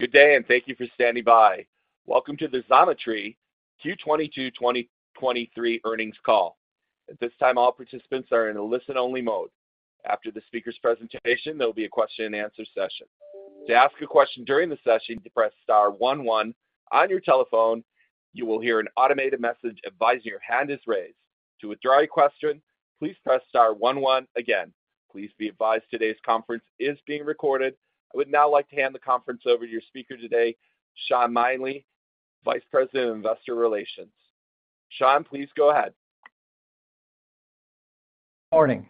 Good day, and thank you for standing by. Welcome to the Xometry Q2 2023 Earnings Call. At this time, all participants are in a listen-only mode. After the speaker's presentation, there'll be a question and answer session. To ask a question during the session, press star 1 1 on your telephone. You will hear an automated message advising your hand is raised. To withdraw your question, please press star 1 1 again. Please be advised today's conference is being recorded. I would now like to hand the conference over to your speaker today, Shawn Milne, Vice President of Investor Relations. Shawn, please go ahead. Morning,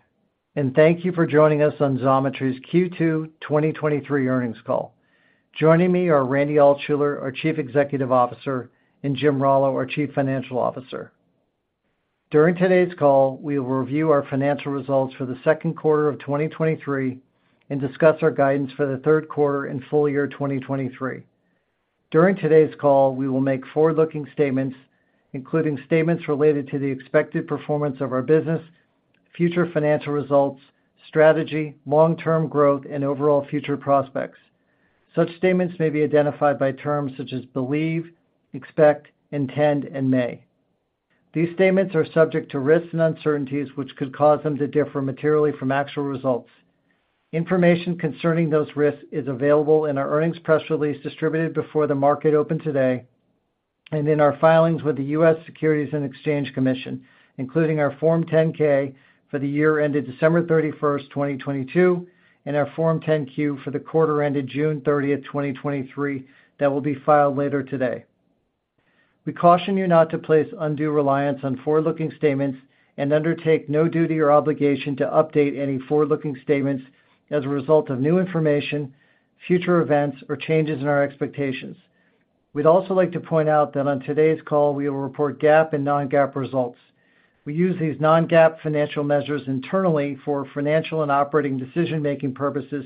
thank you for joining us on Xometry's Q2 2023 Earnings cCll. Joining me are Randy Altschuler; our Chief Executive Officer, and Jim Rallo; our Chief Financial Officer. During today's call, we will review our Financial Results for the Second Quarter of 2023 and discuss our guidance for the Third Quarter and Full Year 2023. During today's call, we will make forward-looking statements, including statements related to the expected performance of our business, future financial results, strategy, long-term growth, and overall future prospects. Such statements may be identified by terms such as believe, expect, intend and may. These statements are subject to risks and uncertainties, which could cause them to differ materially from actual results. Information concerning those risks is available in our Earnings Press Release, distributed before the market opened today, and in our filings with the U.S. Securities and Exchange Commission, including our Form 10-K for the year ended December 31st, 2022, and our Form 10-Q for the quarter ended June 30th, 2023, that will be filed later today. We caution you not to place undue reliance on forward-looking statements and undertake no duty or obligation to update any forward-looking statements as a result of new information, future events or changes in our expectations. We'd also like to point out that on today's call, we will report GAAP and non-GAAP results. We use these non-GAAP financial measures internally for financial and operating decision-making purposes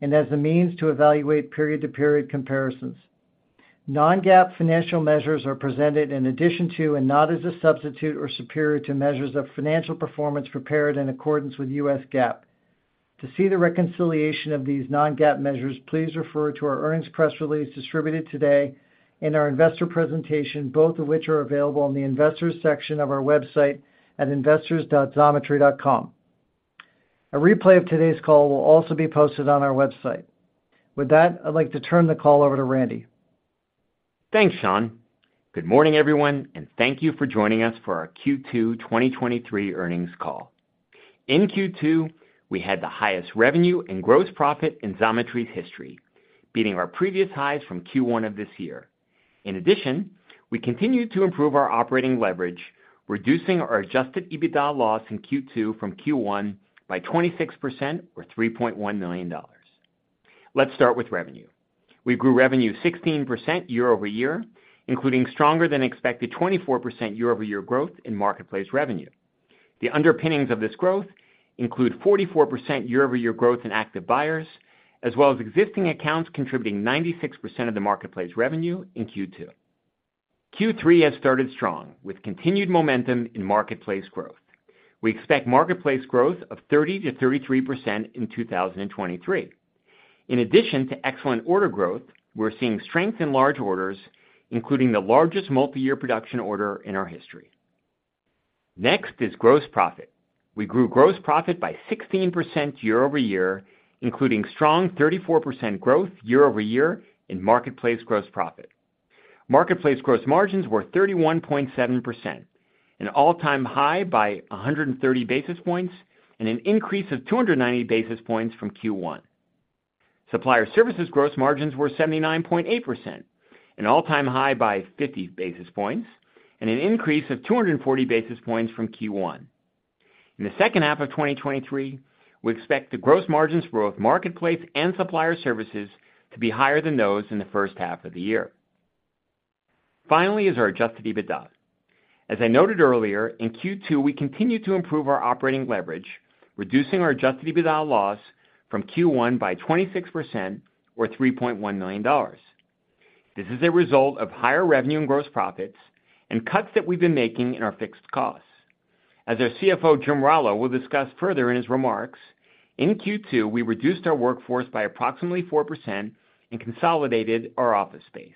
and as a means to evaluate period-to-period comparisons. Non-GAAP financial measures are presented in addition to and not as a substitute or superior to measures of financial performance prepared in accordance with U.S. GAAP. To see the reconciliation of these non-GAAP measures, please refer to our earnings press release distributed today and our investor presentation, both of which are available on the investors section of our website at investors.xometry.com. A replay of today's call will also be posted on our website. With that, I'd like to turn the call over to Randy. Thanks, Shawn. Good morning, everyone, and thank you for joining us for our Q2 2023 earnings call. In Q2, we had the highest revenue and gross profit in Xometry's history, beating our previous highs from Q1 of this year. In addition, we continued to improve our operating leverage, reducing our adjusted EBITDA loss in Q2 from Q1 by 26% or $3.1 million. Let's start with revenue. We grew revenue 16% year-over-year, including stronger than expected 24% year-over-year growth in marketplace revenue. The underpinnings of this growth include 44% year-over-year growth in active buyers, as well as existing accounts, contributing 96% of the marketplace revenue in Q2. Q3 has started strong with continued momentum in marketplace growth. We expect marketplace growth of 30%-33% in 2023. In addition to excellent order growth, we're seeing strength in large orders, including the largest multi-year production order in our history. Next is gross profit. We grew gross profit by 16% year-over-year, including strong 34% growth year-over-year in marketplace gross profit. Marketplace gross margins were 31.7%, an all-time high by 130 basis points and an increase of 290 basis points from Q1. Supplier Services gross margins were 79.8%, an all-time high by 50 basis points, and an increase of 240 basis points from Q1. In the second half of 2023, we expect the gross margins for both marketplace and Supplier Services to be higher than those in the first half of the year. Finally, is our adjusted EBITDA. As I noted earlier, in Q2, we continued to improve our operating leverage, reducing our adjusted EBITDA loss from Q1 by 26% or $3.1 million. This is a result of higher revenue and gross profits and cuts that we've been making in our fixed costs. As our CFO, Jim Rallo, will discuss further in his remarks, in Q2, we reduced our workforce by approximately 4% and consolidated our office space.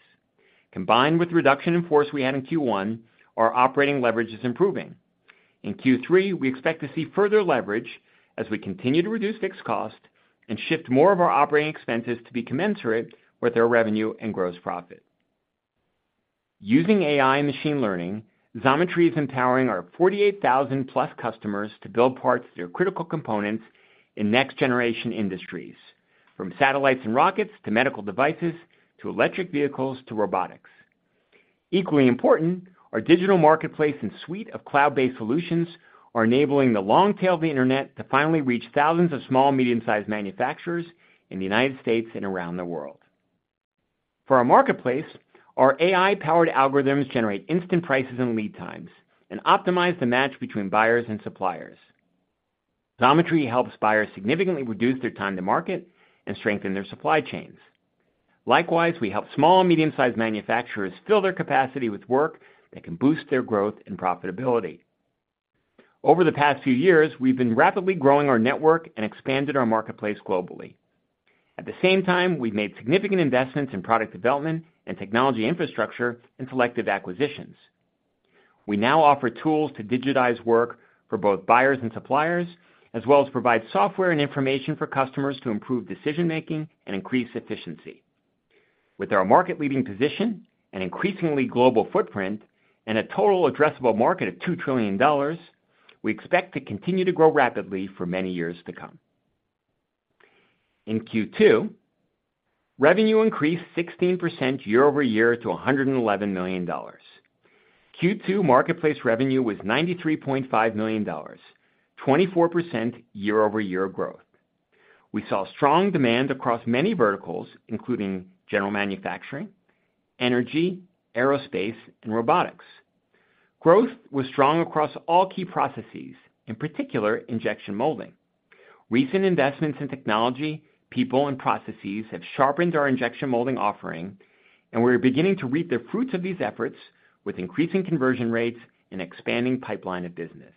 Combined with the reduction in force we had in Q1, our operating leverage is improving. In Q3, we expect to see further leverage as we continue to reduce fixed cost and shift more of our operating expenses to be commensurate with our revenue and gross profit. Using AI and machine learning, Xometry is empowering our 48,000+ customers to build parts that are critical components in next generation industries, from satellites and rockets, to medical devices, to electric vehicles, to robotics. Equally important, our digital marketplace and suite of cloud-based solutions are enabling the long tail of the internet to finally reach thousands of small, medium-sized manufacturers in the United States and around the world. For our marketplace, our AI-powered algorithms generate instant prices and lead times and optimize the match between buyers and suppliers. Xometry helps buyers significantly reduce their time to market and strengthen their supply chains. Likewise, we help small and medium-sized manufacturers fill their capacity with work that can boost their growth and profitability. Over the past few years, we've been rapidly growing our network and expanded our marketplace globally. At the same time, we've made significant investments in product development and technology infrastructure, and selective acquisitions. We now offer tools to digitize work for both buyers and suppliers, as well as provide software and information for customers to improve decision-making and increase efficiency. With our market-leading position and increasingly global footprint, and a total addressable market of $2 trillion, we expect to continue to grow rapidly for many years to come. In Q2, revenue increased 16% year over year to $111 million. Q2 marketplace revenue was $93.5 million, 24% year-over-year growth. We saw strong demand across many verticals, including general manufacturing, energy, aerospace, and robotics. Growth was strong across all key processes, in particular, injection molding. Recent investments in technology, people, and processes have sharpened our injection molding offering, and we are beginning to reap the fruits of these efforts with increasing conversion rates and expanding pipeline of business.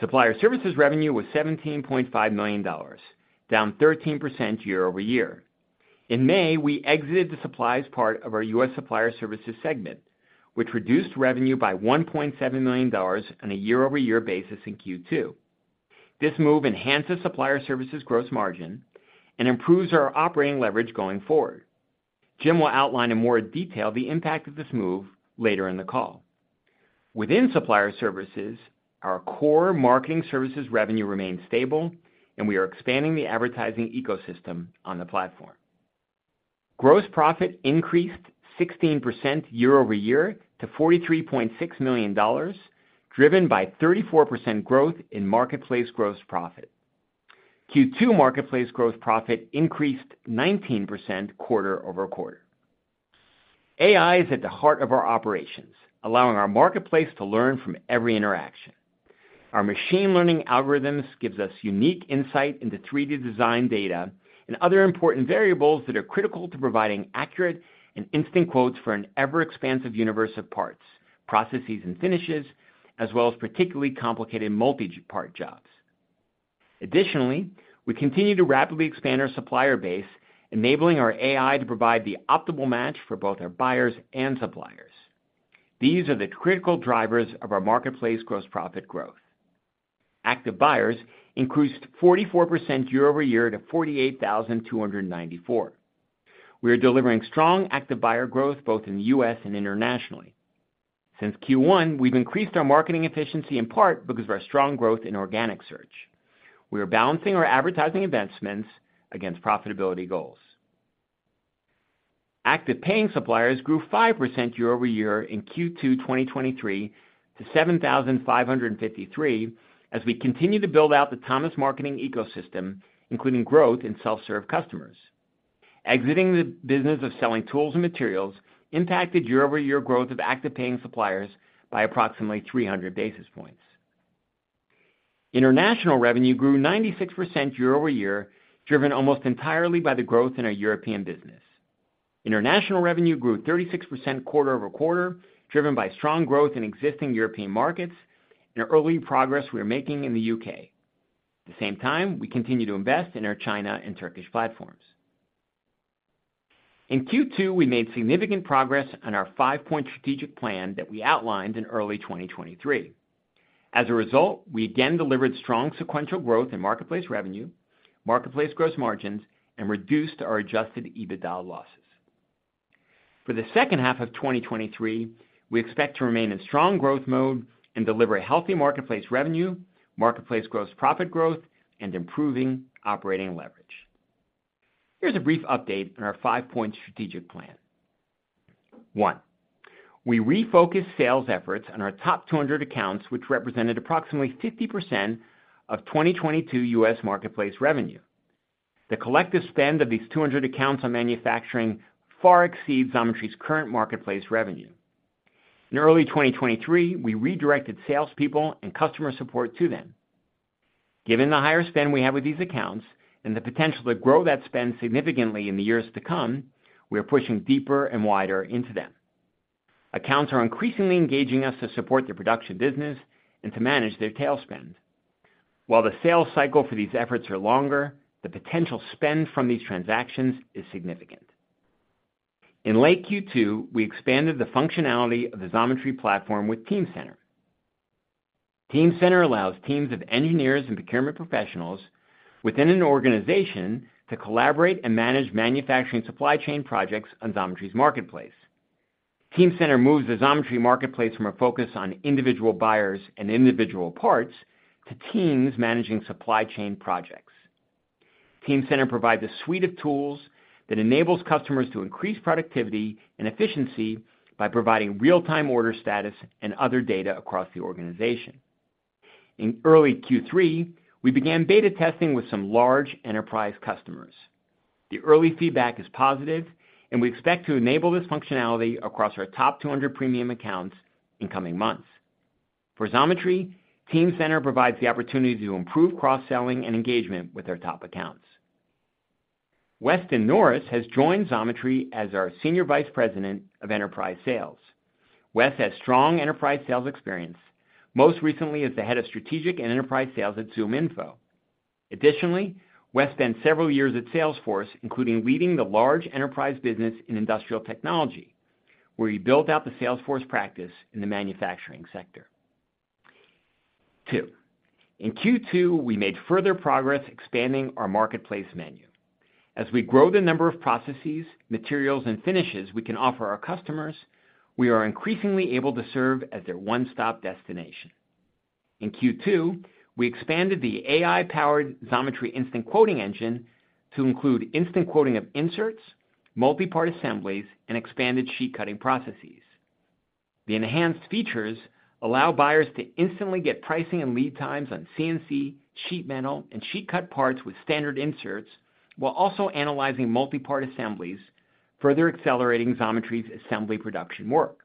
Supplier Services revenue was $17.5 million, down 13% year-over-year. In May, we exited the supplies part of our U.S. Supplier Services segment, which reduced revenue by $1.7 million on a year-over-year basis in Q2. This move enhances Supplier Services gross margin and improves our operating leverage going forward. Jim will outline in more detail the impact of this move later in the call. Within Supplier Services, our core marketing services revenue remains stable, we are expanding the advertising ecosystem on the platform. Gross profit increased 16% year-over-year to $43.6 million, driven by 34% growth in marketplace gross profit. Q2 marketplace growth profit increased 19% quarter-over-quarter. AI is at the heart of our operations, allowing our marketplace to learn from every interaction. Our machine learning algorithms gives us unique insight into 3D design data and other important variables that are critical to providing accurate and instant quotes for an ever-expansive universe of parts, processes, and finishes, as well as particularly complicated multi-part jobs. Additionally, we continue to rapidly expand our supplier base, enabling our AI to provide the optimal match for both our buyers and suppliers. These are the critical drivers of our marketplace gross profit growth. Active buyers increased 44% year-over-year to 48,294. We are delivering strong active buyer growth both in the U.S. and internationally. Since Q1, we've increased our marketing efficiency in part because of our strong growth in organic search. We are balancing our advertising advancements against profitability goals. Active paying suppliers grew 5% year-over-year in Q2 2023 to 7,553, as we continue to build out the Thomas Marketing ecosystem, including growth in self-serve customers. Exiting the business of selling tools and materials impacted year-over-year growth of active paying suppliers by approximately 300 basis points. International revenue grew 96% year-over-year, driven almost entirely by the growth in our European business. International revenue grew 36% quarter-over-quarter, driven by strong growth in existing European markets and early progress we are making in the U.K. At the same time, we continue to invest in our China and Turkish platforms. In Q2, we made significant progress on our five-point strategic plan that we outlined in early 2023. As a result, we again delivered strong sequential growth in marketplace revenue, marketplace gross margins, and reduced our adjusted EBITDA losses. For the second half of 2023, we expect to remain in strong growth mode and deliver a healthy marketplace revenue, marketplace gross profit growth, and improving operating leverage. Here's a brief update on our five-point strategic plan. One, we refocused sales efforts on our top 200 accounts, which represented approximately 50% of 2022 U.S. marketplace revenue. The collective spend of these 200 accounts on manufacturing far exceeds Xometry's current marketplace revenue. In early 2023, we redirected salespeople and customer support to them. Given the higher spend we have with these accounts and the potential to grow that spend significantly in the years to come, we are pushing deeper and wider into them. Accounts are increasingly engaging us to support their production business and to manage their tail spend. While the sales cycle for these efforts are longer, the potential spend from these transactions is significant. In late Q2, we expanded the functionality of the Xometry platform with Team Center. Team Center allows teams of engineers and procurement professionals within an organization to collaborate and manage manufacturing supply chain projects on Xometry's marketplace. Team Center moves the Xometry marketplace from a focus on individual buyers and individual parts to teams managing supply chain projects. Team Center provides a suite of tools that enables customers to increase productivity and efficiency by providing real-time order status and other data across the organization. In early Q3, we began beta testing with some large enterprise customers. The early feedback is positive. We expect to enable this functionality across our top 200 premium accounts in coming months. For Xometry, Team center provides the opportunity to improve cross-selling and engagement with our top accounts. Weston Norris has joined Xometry as our Senior Vice President of Enterprise Sales. Wes has strong enterprise sales experience, most recently as the Head of Strategic and Enterprise Sales at ZoomInfo. Additionally, Wes spent several years at Salesforce, including leading the large enterprise business in industrial technology, where he built out the Salesforce practice in the manufacturing sector. Two, in Q2, we made further progress expanding our marketplace menu. As we grow the number of processes, materials, and finishes we can offer our customers, we are increasingly able to serve as their one-stop destination. In Q2, we expanded the AI-powered Xometry Instant Quoting Engine to include instant quoting of inserts, multi-part assemblies, and expanded sheet cutting processes. The enhanced features allow buyers to instantly get pricing and lead times on CNC, sheet metal, and sheet cut parts with standard inserts, while also analyzing multi-part assemblies, further accelerating Xometry's assembly production work.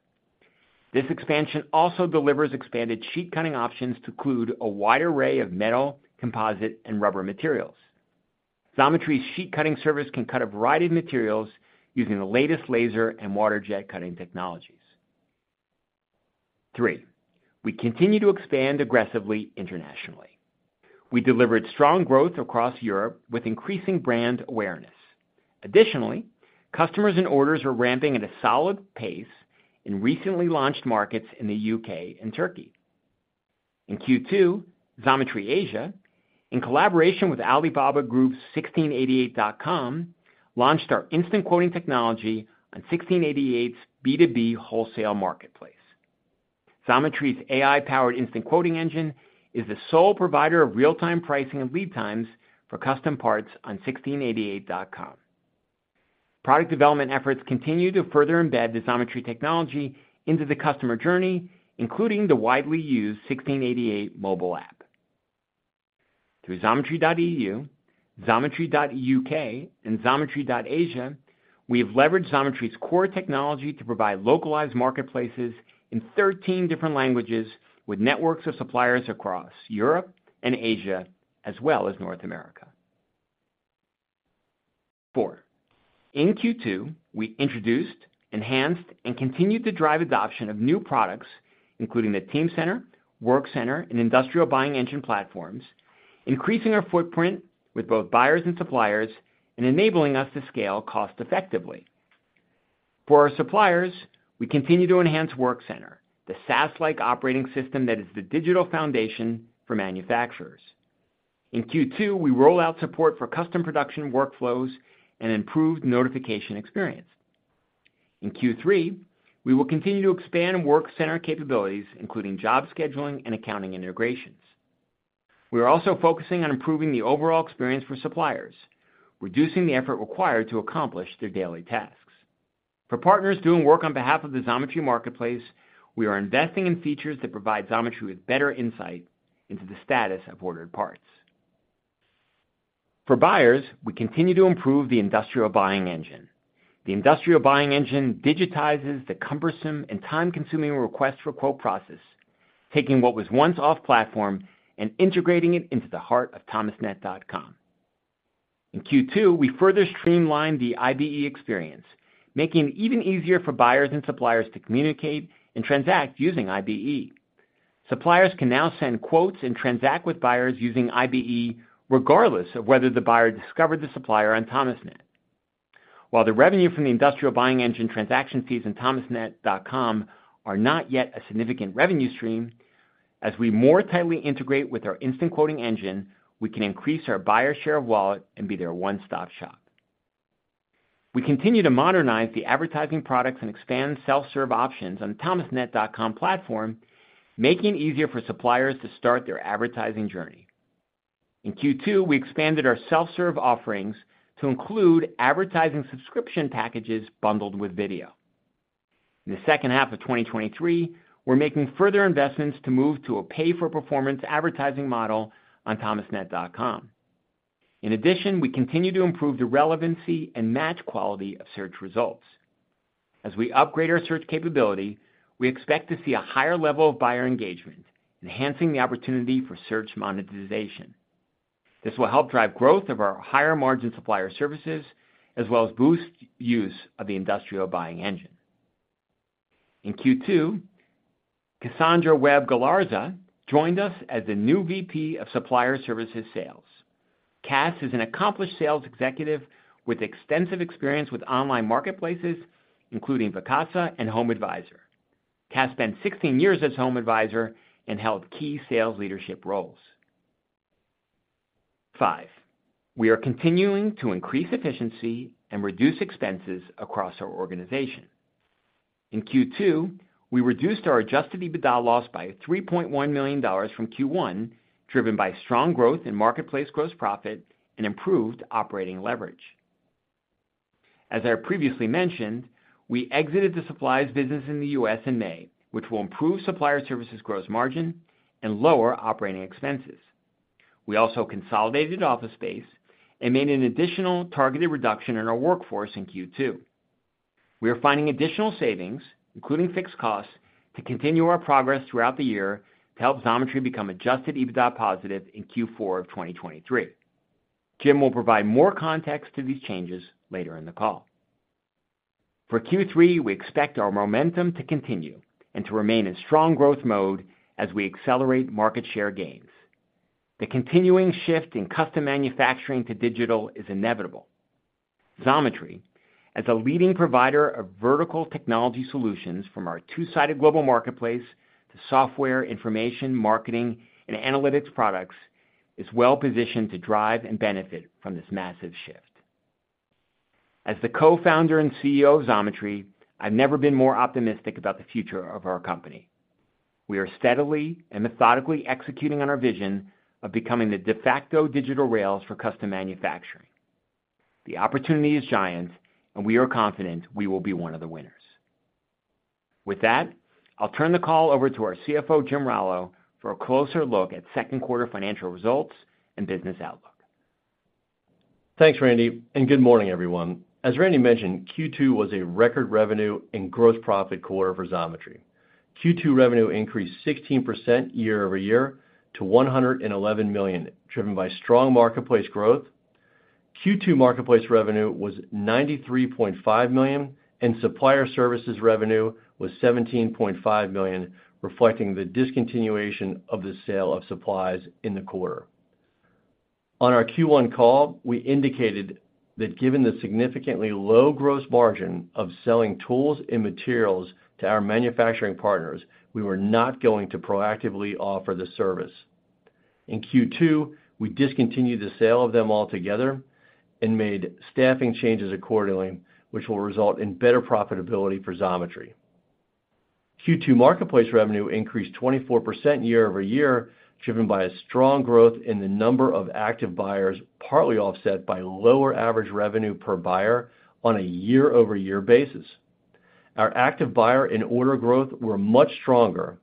This expansion also delivers expanded sheet cutting options to include a wide array of metal, composite, and rubber materials. Xometry's sheet cutting service can cut a variety of materials using the latest laser and waterjet cutting technologies. Three, we continue to expand aggressively internationally. We delivered strong growth across Europe with increasing brand awareness. Additionally, customers and orders are ramping at a solid pace in recently launched markets in the UK and Turkey. In Q2, Xometry Asia, in collaboration with Alibaba Group's 1688.com, launched our instant quoting technology on 1688's B2B wholesale marketplace. Xometry's AI-powered Instant Quoting Engine is the sole provider of real-time pricing and lead times for custom parts on 1688.com. Product development efforts continue to further embed the Xometry technology into the customer journey, including the widely used 1688 mobile app. Through xometry.eu, xometry.uk, and xometry.asia, we have leveraged Xometry's core technology to provide localized marketplaces in 13 different languages, with networks of suppliers across Europe and Asia, as well as North America. Four, in Q2, we introduced, enhanced, and continued to drive adoption of new products, including the Team Center, Workcenter, and Industrial Buying Engine platforms, increasing our footprint with both buyers and suppliers and enabling us to scale cost effectively. For our suppliers, we continue to enhance Workcenter, the SaaS-like operating system that is the digital foundation for manufacturers. In Q2, we roll out support for custom production workflows and improved notification experience. In Q3, we will continue to expand Workcenter capabilities, including job scheduling and accounting integrations. We are also focusing on improving the overall experience for suppliers, reducing the effort required to accomplish their daily tasks. For partners doing work on behalf of the Xometry marketplace, we are investing in features that provide Xometry with better insight into the status of ordered parts. For buyers, we continue to improve the Industrial Buying Engine. The Industrial Buying Engine digitizes the cumbersome and time-consuming request for quote process, taking what was once off-platform and integrating it into the heart of thomasnet.com. In Q2, we further streamlined the IBE experience, making it even easier for buyers and suppliers to communicate and transact using IBE. Suppliers can now send quotes and transact with buyers using IBE, regardless of whether the buyer discovered the supplier on Thomasnet. While the revenue from the Industrial Buying Engine transaction fees in thomasnet.com are not yet a significant revenue stream, as we more tightly integrate with our instant quoting engine, we can increase our buyer share of wallet and be their one-stop shop. We continue to modernize the advertising products and expand self-serve options on the thomasnet.com platform, making it easier for suppliers to start their advertising journey. In Q2, we expanded our self-serve offerings to include advertising subscription packages bundled with video. In the second half of 2023, we're making further investments to move to a pay-for-performance advertising model on thomasnet.com. In addition, we continue to improve the relevancy and match quality of search results. As we upgrade our search capability, we expect to see a higher level of buyer engagement, enhancing the opportunity for search monetization. This will help drive growth of our higher-margin Supplier Services, as well as boost use of the Industrial Buying Engine. In Q2, Kassandra Webb-Galarza joined us as the new VP of Supplier Services Sales. Cass is an accomplished sales executive with extensive experience with online marketplaces, including Vacasa and HomeAdvisor. Cass spent 16 years at HomeAdvisor and held key sales leadership roles. five, we are continuing to increase efficiency and reduce expenses across our organization. In Q2, we reduced our adjusted EBITDA loss by $3.1 million from Q1, driven by strong growth in marketplace gross profit and improved operating leverage. As I previously mentioned, we exited the supplies business in the U.S. in May, which will improve Supplier Services gross margin and lower operating expenses. We also consolidated office space and made an additional targeted reduction in our workforce in Q2. We are finding additional savings, including fixed costs, to continue our progress throughout the year to help Xometry become adjusted EBITDA positive in Q4 of 2023. Jim will provide more context to these changes later in the call. For Q3, we expect our momentum to continue and to remain in strong growth mode as we accelerate market share gains. The continuing shift in custom manufacturing to digital is inevitable. Xometry, as a leading provider of vertical technology solutions from our two-sided global marketplace to software, information, marketing, and analytics products, is well positioned to drive and benefit from this massive shift. As the co-founder and CEO of Xometry, I've never been more optimistic about the future of our company. We are steadily and methodically executing on our vision of becoming the de facto digital rails for custom manufacturing. The opportunity is giant, and we are confident we will be one of the winners. With that, I'll turn the call over to our CFO, Jim Rallo, for a closer look at second-quarter financial results and business outlook. Thanks, Randy, and good morning, everyone. As Randy mentioned, Q2 was a record revenue and gross profit quarter for Xometry. Q2 revenue increased 16% year-over-year to $111 million, driven by strong marketplace growth. Q2 marketplace revenue was $93.5 million, and Supplier Services revenue was $17.5 million, reflecting the discontinuation of the sale of supplies in the quarter. On our Q1 call, we indicated that given the significantly low gross margin of selling tools and materials to our manufacturing partners, we were not going to proactively offer this service. In Q2, we discontinued the sale of them altogether and made staffing changes accordingly, which will result in better profitability for Xometry. Q2 marketplace revenue increased 24% year-over-year, driven by a strong growth in the number of active buyers, partly offset by lower average revenue per buyer on a year-over-year basis. Our active buyer and order growth were much stronger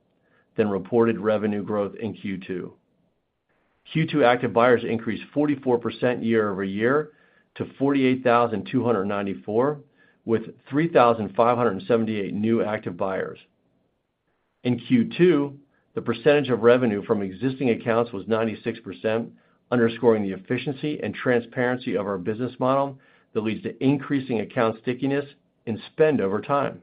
than reported revenue growth in Q2. Q2 active buyers increased 44% year-over-year to 48,294, with 3,578 new active buyers. In Q2, the percentage of revenue from existing accounts was 96%, underscoring the efficiency and transparency of our business model that leads to increasing account stickiness and spend over time.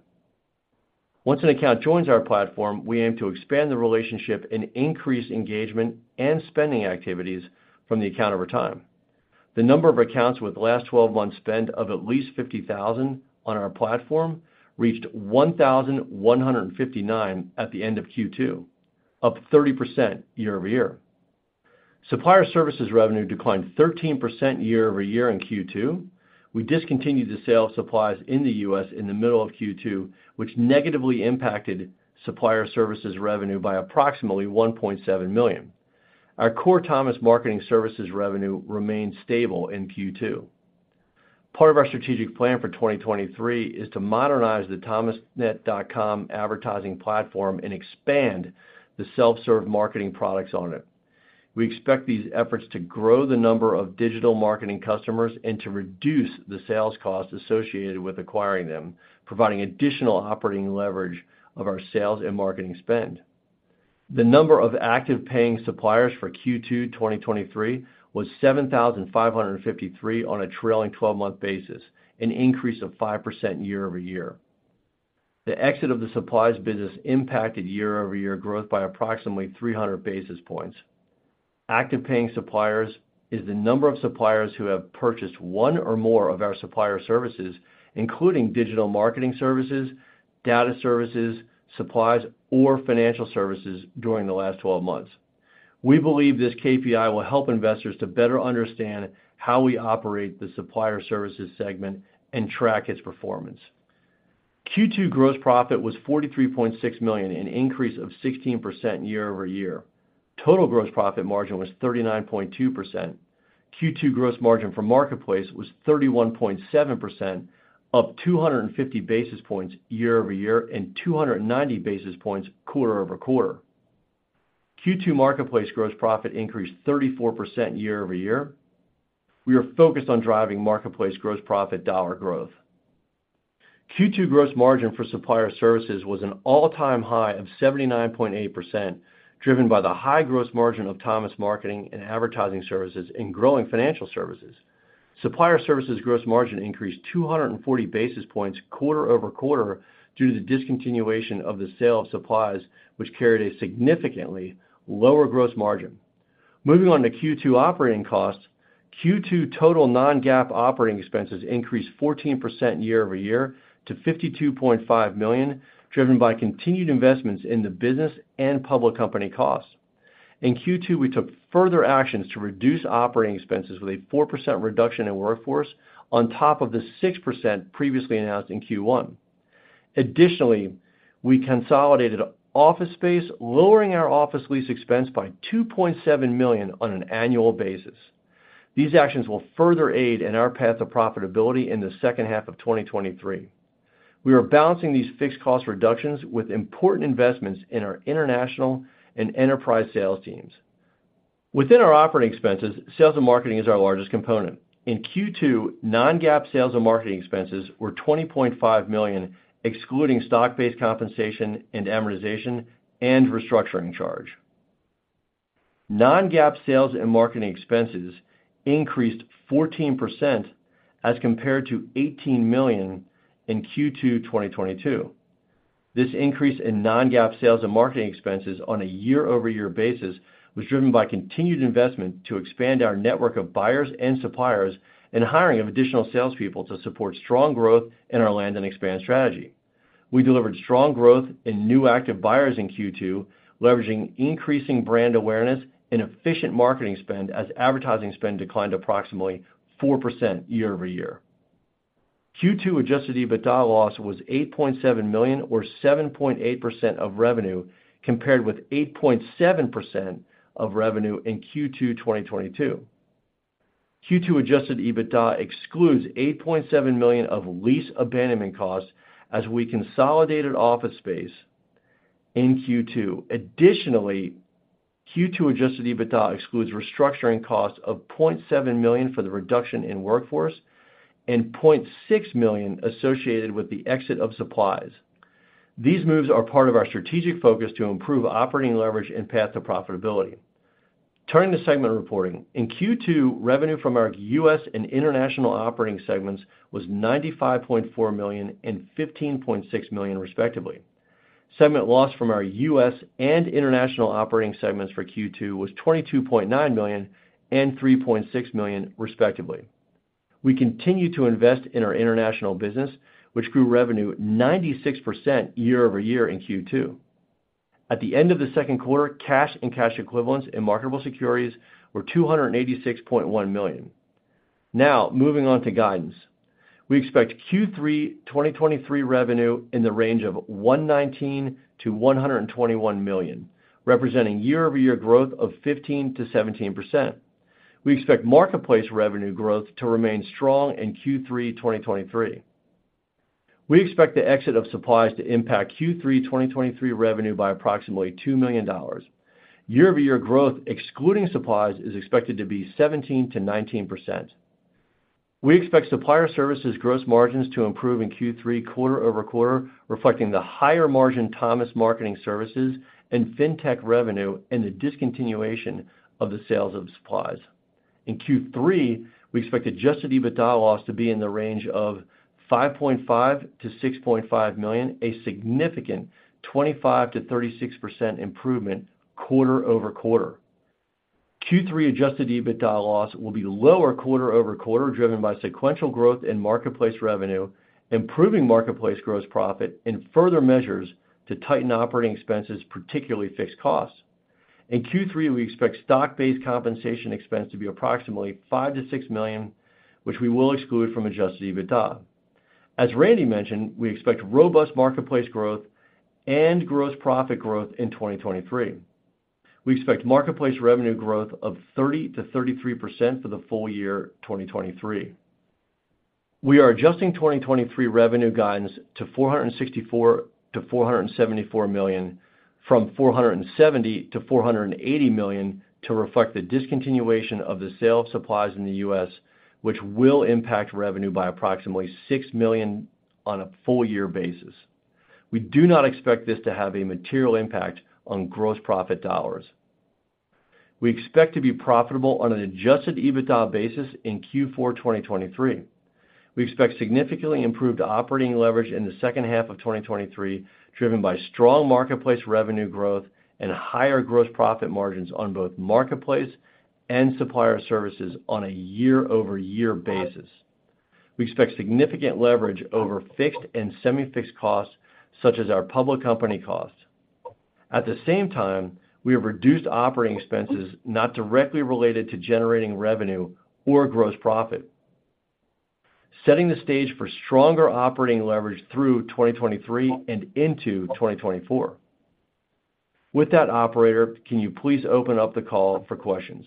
Once an account joins our platform, we aim to expand the relationship and increase engagement and spending activities from the account over time. The number of accounts with last 12 months spend of at least $50,000 on our platform reached 1,159 at the end of Q2, up 30% year-over-year. Supplier Services revenue declined 13% year-over-year in Q2. We discontinued the sale of supplies in the U.S. in the middle of Q2, which negatively impacted Supplier Services revenue by approximately $1.7 million. Our core Thomas Marketing Services revenue remained stable in Q2. Part of our strategic plan for 2023 is to modernize the Thomasnet.com advertising platform and expand the self-serve marketing products on it. We expect these efforts to grow the number of digital marketing customers and to reduce the sales costs associated with acquiring them, providing additional operating leverage of our sales and marketing spend. The number of active paying suppliers for Q2 2023 was 7,553 on a trailing twelve-month basis, an increase of 5% year-over-year. The exit of the supplies business impacted year-over-year growth by approximately 300 basis points. Active paying suppliers is the number of suppliers who have purchased one or more of our Supplier Services, including digital marketing services, data services, supplies, or financial services, during the last twelve months. We believe this KPI will help investors to better understand how we operate the Supplier Services segment and track its performance. Q2 gross profit was $43.6 million, an increase of 16% year-over-year. Total gross profit margin was 39.2%. Q2 gross margin for Marketplace was 31.7%, up 250 basis points year-over-year and 290 basis points quarter-over-quarter. Q2 marketplace gross profit increased 34% year-over-year. We are focused on driving marketplace gross profit dollar growth. Q2 gross margin for Supplier Services was an all-time high of 79.8%, driven by the high gross margin of Thomas Marketing Services and growing financial services. Supplier Services gross margin increased 240 basis points quarter-over-quarter due to the discontinuation of the sale of supplies, which carried a significantly lower gross margin. Moving on to Q2 operating costs, Q2 total non-GAAP operating expenses increased 14% year-over-year to $52.5 million, driven by continued investments in the business and public company costs. In Q2, we took further actions to reduce operating expenses with a 4% reduction in workforce on top of the 6% previously announced in Q1. Additionally, we consolidated office space, lowering our office lease expense by $2.7 million on an annual basis. These actions will further aid in our path to profitability in the second half of 2023. We are balancing these fixed cost reductions with important investments in our international and enterprise sales teams. Within our operating expenses, sales and marketing is our largest component. In Q2, non-GAAP sales and marketing expenses were $20.5 million, excluding stock-based compensation and amortization and restructuring charge. Non-GAAP sales and marketing expenses increased 14% as compared to $18 million in Q2 2022. This increase in non-GAAP sales and marketing expenses on a year-over-year basis was driven by continued investment to expand our network of buyers and suppliers, and hiring of additional salespeople to support strong growth in our land and expand strategy. We delivered strong growth in new active buyers in Q2, leveraging increasing brand awareness and efficient marketing spend, as advertising spend declined approximately 4% year-over-year. Q2 adjusted EBITDA loss was $8.7 million, or 7.8% of revenue, compared with 8.7% of revenue in Q2 2022. Q2 adjusted EBITDA excludes $8.7 million of lease abandonment costs as we consolidated office space in Q2. Additionally, Q2 adjusted EBITDA excludes restructuring costs of $0.7 million for the reduction in workforce and $0.6 million associated with the exit of supplies. These moves are part of our strategic focus to improve operating leverage and path to profitability. Turning to segment reporting. In Q2, revenue from our U.S. and international operating segments was $95.4 million and $15.6 million, respectively. Segment loss from our U.S. and international operating segments for Q2 was $22.9 million and $3.6 million, respectively. We continue to invest in our international business, which grew revenue 96% year-over-year in Q2. At the end of the second quarter, cash and cash equivalents and marketable securities were $286.1 million. Moving on to guidance. We expect Q3 2023 revenue in the range of $119 million-$121 million, representing year-over-year growth of 15%-17%. We expect marketplace revenue growth to remain strong in Q3 2023. We expect the exit of supplies to impact Q3 2023 revenue by approximately $2 million. Year-over-year growth, excluding supplies, is expected to be 17%-19%. We expect Supplier Services gross margins to improve in Q3 quarter-over-quarter, reflecting the higher margin Thomas Marketing Services and FinTech revenue, and the discontinuation of the sales of supplies. In Q3, we expect adjusted EBITDA loss to be in the range of $5.5 million-$6.5 million, a significant 25%-36% improvement quarter-over-quarter. Q3 adjusted EBITDA loss will be lower quarter-over-quarter, driven by sequential growth in marketplace revenue, improving marketplace gross profit, and further measures to tighten operating expenses, particularly fixed costs. In Q3, we expect stock-based compensation expense to be approximately $5 million-$6 million, which we will exclude from adjusted EBITDA. As Randy mentioned, we expect robust marketplace growth and gross profit growth in 2023. We expect marketplace revenue growth of 30%-33% for the full year 2023. We are adjusting 2023 revenue guidance to $464-474 million, from $470-480 million, to reflect the discontinuation of the sale of supplies in the U.S., which will impact revenue by approximately $6 million on a full year basis. We do not expect this to have a material impact on gross profit dollars. We expect to be profitable on an adjusted EBITDA basis in Q4 2023. We expect significantly improved operating leverage in the second half of 2023, driven by strong marketplace revenue growth and higher gross profit margins on both marketplace and Supplier Services on a year-over-year basis. We expect significant leverage over fixed and semi-fixed costs, such as our public company costs. At the same time, we have reduced operating expenses not directly related to generating revenue or gross profit, setting the stage for stronger operating leverage through 2023 and into 2024. With that, operator, can you please open up the call for questions?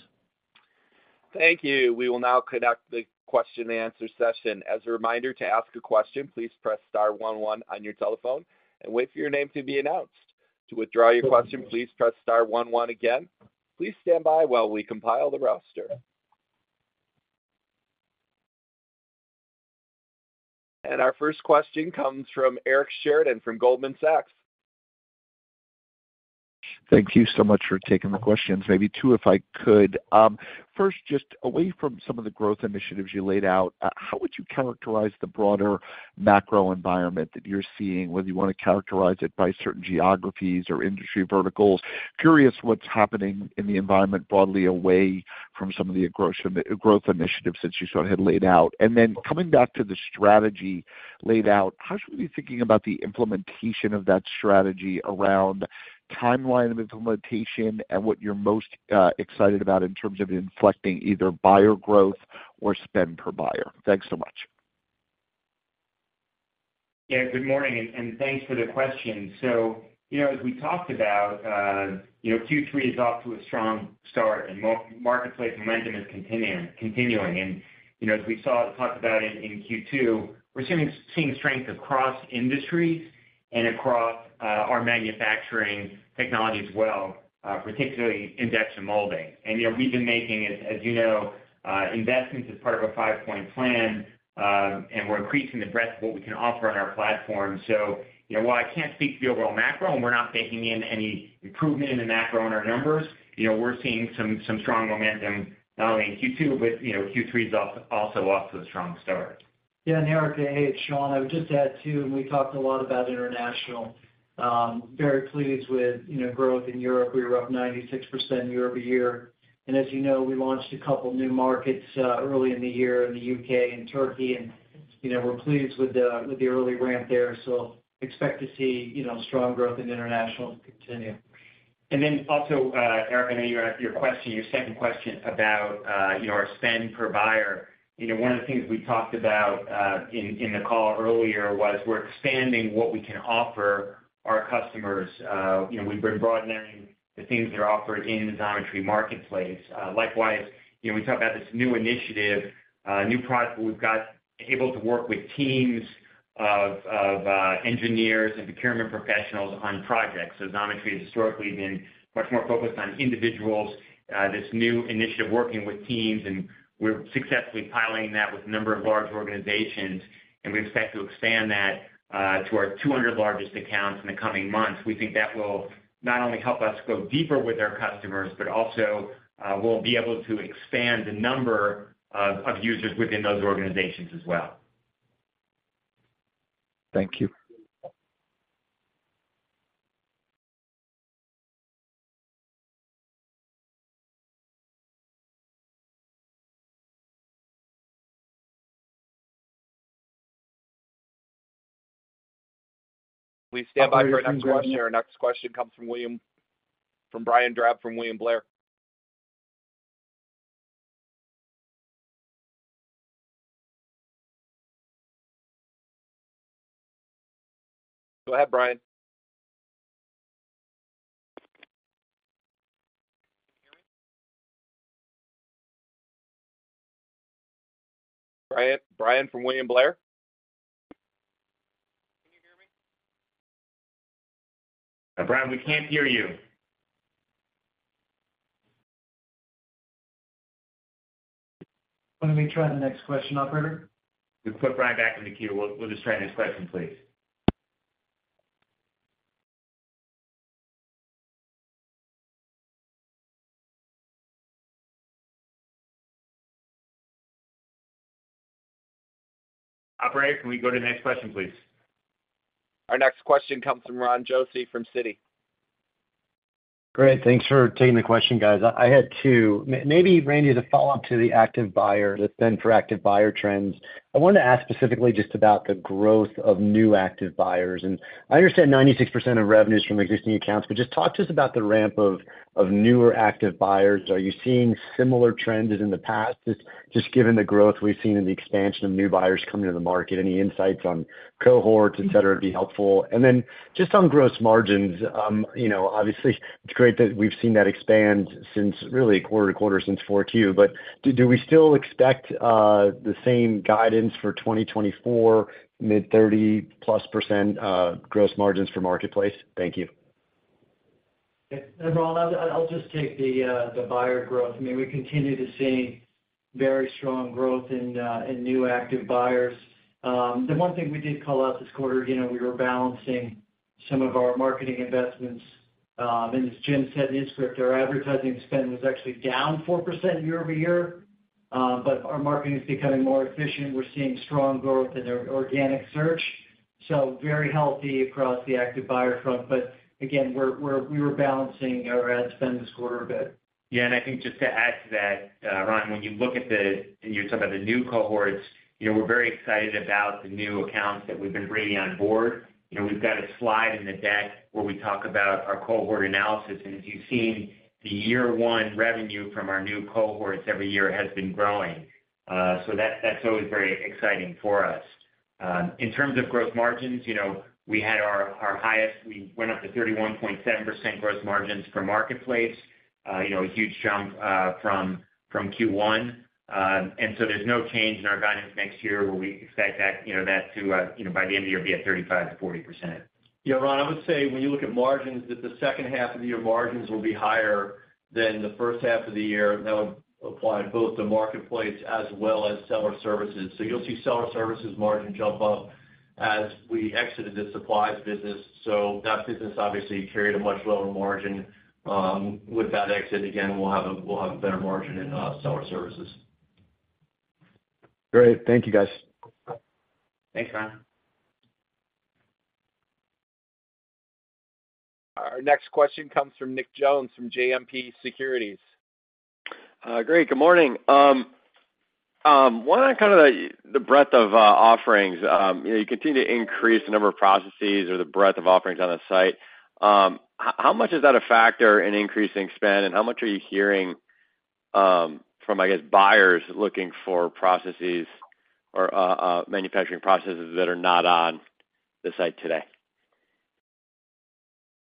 Thank you. We will now conduct the question and answer session. As a reminder, to ask a question, please press star one one on your telephone and wait for your name to be announced. To withdraw your question, please press star one one again. Please stand by while we compile the roster. Our first question comes from Eric Sheridan, from Goldman Sachs. Thank you so much for taking the questions. Maybe two, if I could. First, just away from some of the growth initiatives you laid out, how would you characterize the broader macro environment that you're seeing, whether you want to characterize it by certain geographies or industry verticals? Curious what's happening in the environment broadly away from some of the growth initiatives that you sort of had laid out. And then coming back to the strategy laid out, how should we be thinking about the implementation of that strategy around timeline of implementation and what you're most excited about in terms of inflecting either buyer growth or spend per buyer? Thanks so much. Yeah, good morning, and thanks for the question. you know, as we talked about, you know, Q3 is off to a strong start, and Marketplace momentum is continuing, continuing. you know, as we talked about in Q2, we're seeing, seeing strength across industries and across our manufacturing technology as well, particularly in die casting and molding. you know, we've been making, as, as you know, investments as part of a five-point plan, and we're increasing the breadth of what we can offer on our platform. you know, while I can't speak to the overall macro, and we're not baking in any improvement in the macro on our numbers, you know, we're seeing some, some strong momentum, not only in Q2, but, you know, Q3 is also off to a strong start. Eric, It's Shawn. I would just add, too, and we talked a lot about international. Very pleased with, you know, growth in Europe. We were up 96% year-over-year. As you know, we launched a couple new markets early in the year in the U.K .and Turkey. you know, we're pleased with the, with the early ramp there. Expect to see, you know, strong growth in international continue. Then Eric, I know your, your question, your second question about, you know, our spend per buyer. You know, one of the things we talked about, in, in the call earlier, was we're expanding what we can offer our customers. You know, we've been broadening the things that are offered in the Xometry Marketplace. Likewise, you know, we talk about this new initiative, new product, we've got able to work with teams of, of engineers and procurement professionals on projects. Xometry has historically been much more focused on individuals. This new initiative, working with teams, and we're successfully piloting that with a number of large organizations, and we expect to expand that, to our 200 largest accounts in the coming months. We think that will not only help us go deeper with our customers, but also, we'll be able to expand the number of, of users within those organizations as well. Thank you. Please stand by for your next question. Our next question comes from William-- from Brian Drab from William Blair. Go ahead, Brian. Can you hear me? Brian from William Blair? Can you hear me? Brian, we can't hear you. Why don't we try the next question, operator? We put Brian back in the queue. We'll just try the next question, please. Operator, can we go to the next question, please? Our next question comes from Ron Josey from Citi. Great. Thanks for taking the question, guys. I had two. Maybe, Randy, as a follow-up to the active buyer, the spend for active buyer trends, I wanted to ask specifically just about the growth of new active buyers. I understand 96% of revenue is from existing accounts, but just talk to us about the ramp of newer active buyers. Are you seeing similar trends as in the past? Given the growth we've seen in the expansion of new buyers coming to the market, any insights on cohorts, et cetera, would be helpful. Then just on gross margins, you know, obviously, it's great that we've seen that expand since really quarter-to-quarter since 4Q. Do we still expect the same guidance for 2024, mid 30+% gross margins for Marketplace? Thank you. Yeah, Ron, I'll, I'll just take the buyer growth. I mean, we continue to see very strong growth in new active buyers. The one thing we did call out this quarter, you know, we were balancing some of our marketing investments. As Jim said in the script, our advertising spend was actually down 4% year-over-year. Our marketing is becoming more efficient. We're seeing strong growth in our organic search, so very healthy across the active buyer front. Again, we were balancing our ad spend this quarter a bit. Yeah, and I think just to add to that, Ron, when you look at the, you know, some of the new cohorts, you know, we're very excited about the new accounts that we've been bringing on board. You know, we've got a slide in the deck where we talk about our cohort analysis, and as you've seen, the year one revenue from our new cohorts every year has been growing. That's, that's always very exciting for us. In terms of growth margins, you know, we had our, our highest, we went up to 31.7% growth margins for Marketplace, you know, a huge jump from Q1. There's no change in our guidance next year, where we expect that, you know, that to, you know, by the end of the year, be at 35%-40%. Yeah, Ron, I would say when you look at margins, that the second half of the year margins will be higher than the first half of the year. That would apply both to Marketplace as well as Supplier Services. You'll see Supplier Services margin jump up as we exited the supplies business. That business obviously carried a much lower margin. With that exit, again, we'll have a, we'll have a better margin in Supplier Services. Great. Thank you, guys. Thanks, Ron. Our next question comes from Nick Jones, from JMP Securities. Great. Good morning. wanting to kind of the, the breadth of offerings. you know, you continue to increase the number of processes or the breadth of offerings on the site. how, how much is that a factor in increasing spend, and how much are you hearing from, I guess, buyers looking for processes or manufacturing processes that are not on the site today?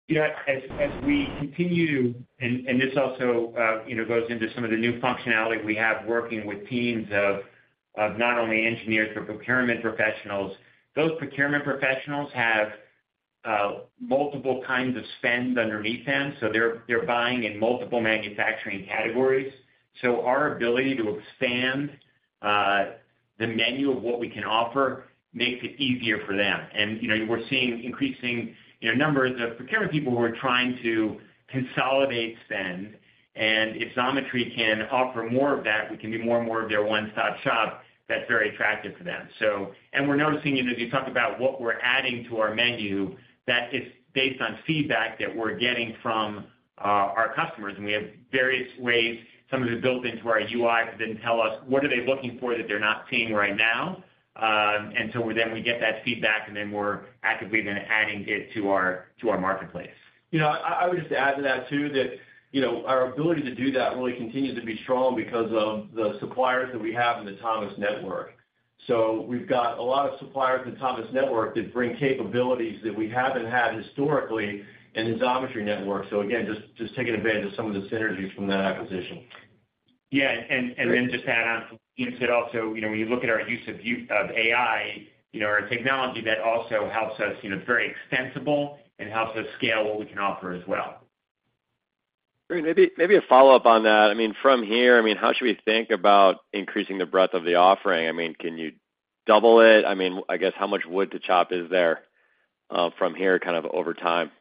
Yeah, as, as we continue, this also, you know, goes into some of the new functionality we have working with teams of, of not only engineers, but procurement professionals. Those procurement professionals have multiple kinds of spend underneath them, so they're buying in multiple manufacturing categories. Our ability to expand the menu of what we can offer makes it easier for them. You know, we're seeing increasing, you know, numbers of procurement people who are trying to consolidate spend, and if Xometry can offer more of that, we can be more and more of their one-stop shop, that's very attractive to them. We're noticing, you know, as you talk about what we're adding to our menu, that is based on feedback that we're getting from our customers. We have various ways, some of it built into our UIs, that then tell us what are they looking for that they're not seeing right now. We get that feedback, and then we're actively then adding it to our, to our marketplace. You know, I, I would just add to that too, that, you know, our ability to do that really continues to be strong because of the suppliers that we have in the Thomas Network. We've got a lot of suppliers in the Thomas Network that bring capabilities that we haven't had historically in the Xometry network. Again, just, just taking advantage of some of the synergies from that acquisition. Yeah, and then just to add on, you said also, you know, when you look at our use of AI, you know, our technology, that also helps us, you know, very extensible and helps us scale what we can offer as well. Great. Maybe, maybe a follow-up on that. I mean, from here, I mean, how should we think about increasing the breadth of the offering? I mean, can you double it? I mean, I guess how much wood to chop is there, from here, kind of over time?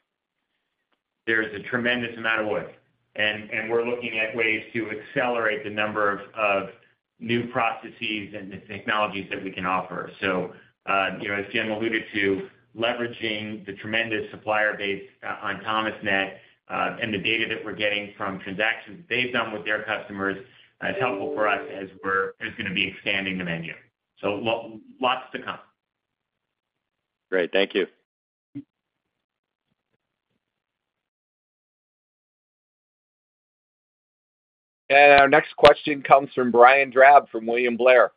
There's a tremendous amount of wood, and, and we're looking at ways to accelerate the number of, of new processes and the technologies that we can offer. You know, as Jim alluded to, leveraging the tremendous supplier base on Thomasnet, and the data that we're getting from transactions they've done with their customers, is helpful for us as we're going to be expanding the menu. Lots to come. Great. Thank you. Our next question comes from Brian Drab from William Blair.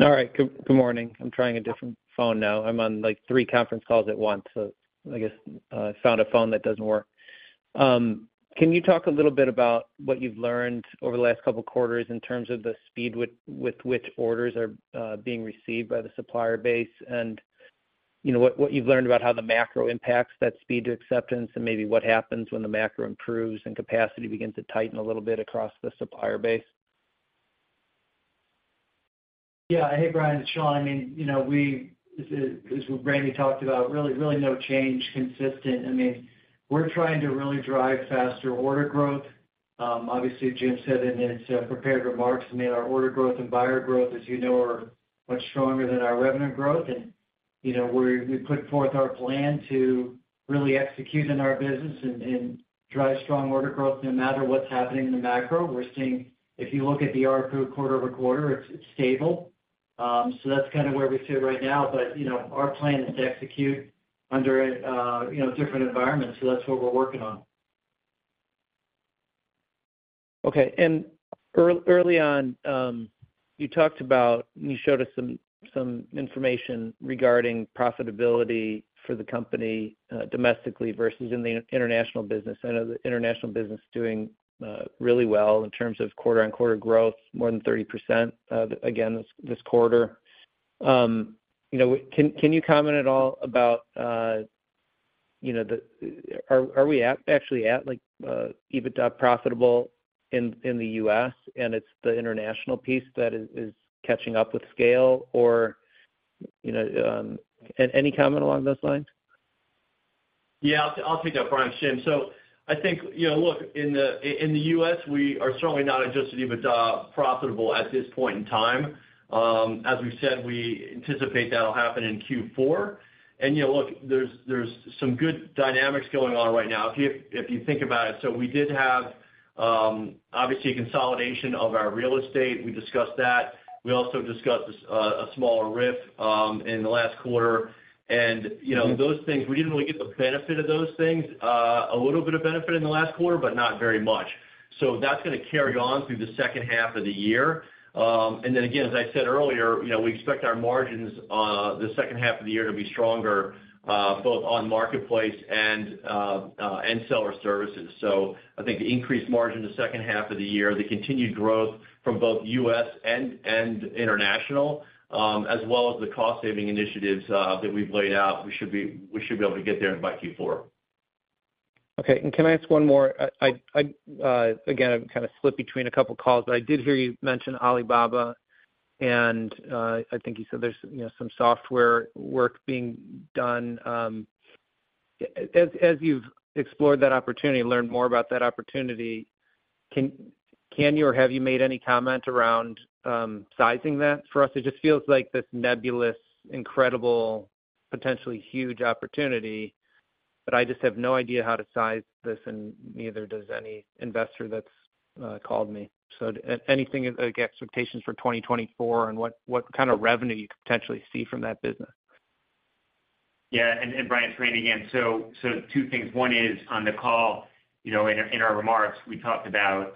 All right. Good, good morning. I'm trying a different phone now. I'm on, like, three conference calls at once, so I guess I found a phone that doesn't work. Can you talk a little bit about what you've learned over the last couple of quarters in terms of the speed with, with which orders are being received by the supplier base? You know, what, what you've learned about how the macro impacts that speed to acceptance, and maybe what happens when the macro improves and capacity begins to tighten a little bit across the supplier base? Yeah. Hey, Brian, it's Shawn. I mean, you know, we, as, as Randy talked about, really, really no change consistent. I mean, we're trying to really drive faster order growth. Obviously, Jim said in his prepared remarks, I mean, our order growth and buyer growth, as you know, are much stronger than our revenue growth. You know, we, we put forth our plan to really execute in our business and, and drive strong order growth no matter what's happening in the macro. We're seeing, if you look at the ARPU quarter-over-quarter, it's, it's stable. That's kind of where we sit right now. You know, our plan is to execute under, you know, different environments, that's what we're working on. Okay. Early on, you talked about, you showed us some information regarding profitability for the company, domestically versus in the international business. I know the international business is doing really well in terms of quarter-on-quarter growth, more than 30%, again, this quarter. You know, can you comment at all about, you know, are we actually at, like, EBITDA profitable in the U.S., and it's the international piece that is catching up with scale? Or, you know, any comment along those lines? Yeah, I'll, I'll take that, Brian. It's Jim. I think, you know, look, in the US, we are certainly not adjusted EBITDA profitable at this point in time. As we've said, we anticipate that'll happen in Q4. You know, look, there's, there's some good dynamics going on right now. If you, if you think about it, so we did have, obviously, a consolidation of our real estate. We discussed that. We also discussed a smaller RIF in the last quarter. You know, those things, we didn't really get the benefit of those things, a little bit of benefit in the last quarter, but not very much. That's gonna carry on through the second half of the year. You know, we expect our margins the second half of the year to be stronger, both on marketplace and Supplier Services. So I think the increased margin in the second half of the year, the continued growth from both U.S. and international, as well as the cost-saving initiatives that we've laid out, we should be, we should be able to get there by Q4. Okay. Can I ask one more? I, I, again, I'm kind of split between a couple calls, but I did hear you mention Alibaba, and I think you said there's, you know, some software work being done. As you've explored that opportunity, learned more about that opportunity, can you or have you made any comment around sizing that for us? It just feels like this nebulous, incredible, potentially huge opportunity, but I just have no idea how to size this, and neither does any investor that's called me. Anything, like, expectations for 2024, and what kind of revenue you could potentially see from that business?... Yeah, and Brian, it's Randy again. Two things. One is, on the call, you know, in our, in our remarks, we talked about,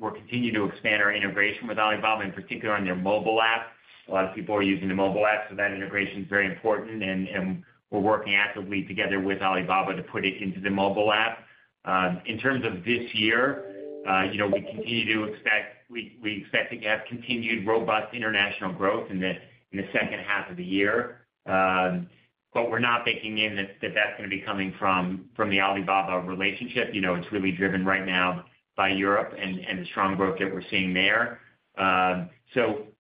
we're continuing to expand our integration with Alibaba, in particular on their mobile app. A lot of people are using the mobile app, so that integration is very important, and and we're working actively together with Alibaba to put it into the mobile app. In terms of this year, you know, we expect to have continued robust international growth in the second half of the year. We're not baking in that, that's gonna be coming from, from the Alibaba relationship. You know, it's really driven right now by Europe and and the strong growth that we're seeing there.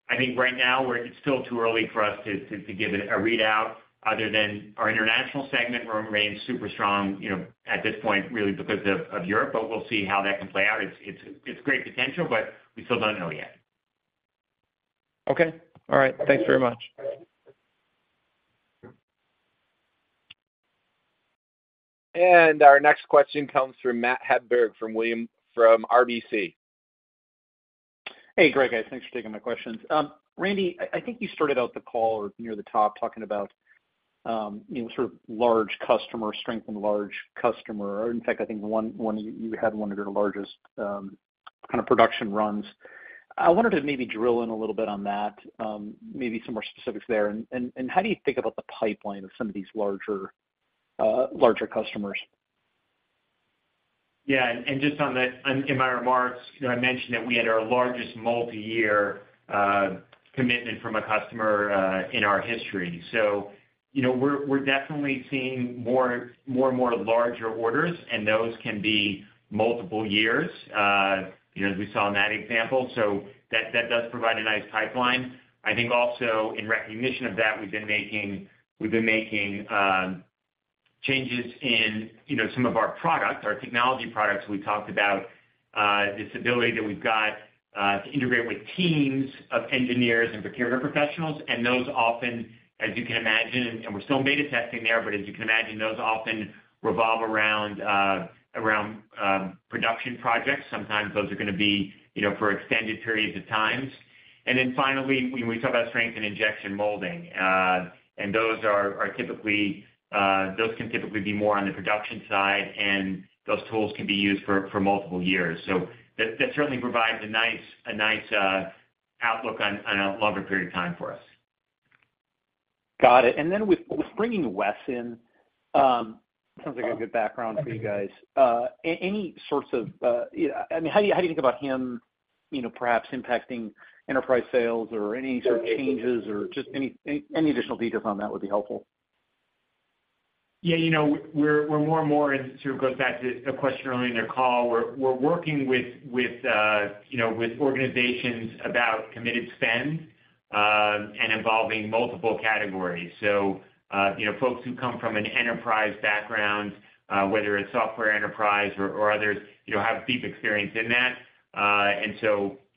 I think right now, it's still too early for us to give it a readout other than our international segment will remain super strong, you know, at this point, really because of Europe, but we'll see how that can play out. It's, it's, it's great potential, but we still don't know yet. Okay. All right. Thanks very much. Our next question comes from Matt Hedberg, from William, from RBC. Hey, great, guys. Thanks for taking my questions. Randy, I, I think you started out the call or near the top, talking about, you know, sort of large customer, strength in large customer, or in fact, I think you had one of your largest, kind of production runs. I wanted to maybe drill in a little bit on that, maybe some more specifics there. How do you think about the pipeline of some of these larger, larger customers? Yeah, and just on that, in, in my remarks, you know, I mentioned that we had our largest multiyear commitment from a customer in our history. You know, we're, we're definitely seeing more, more and more larger orders, and those can be multiple years, you know, as we saw in that example. That, that does provide a nice pipeline. I think also in recognition of that, we've been making, we've been making changes in, you know, some of our products, our technology products. We talked about this ability that we've got to integrate with teams of engineers and procurement professionals. Those often, as you can imagine, and we're still in beta testing there, but as you can imagine, those often revolve around around production projects. Sometimes those are gonna be, you know, for extended periods of times. Finally, when we talk about strength and injection molding, and those are typically, those can typically be more on the production side, and those tools can be used for multiple years. That certainly provides a nice outlook on a longer period of time for us. Got it. With, with bringing Wes in, sounds like a good background for you guys. Any sorts of... I mean, how do you, how do you think about him, you know, perhaps impacting enterprise sales or any sort of changes or just any, any, any additional details on that would be helpful? Yeah, you know, we're, we're more and more in, to go back to a question earlier in the call, we're, we're working with, with, you know, with organizations about committed spend, and involving multiple categories. You know, folks who come from an enterprise background, whether it's software enterprise or, or others, you know, have deep experience in that.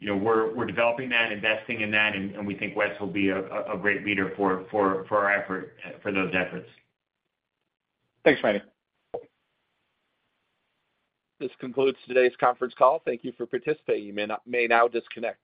You know, we're, we're developing that, investing in that, and, and we think Wes will be a, a, a great leader for, for, for our effort, for those efforts. Thanks, Randy. This concludes today's conference call. Thank you for participating. You may now disconnect.